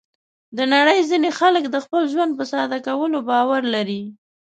د نړۍ ځینې خلک د خپل ژوند په ساده کولو باور لري.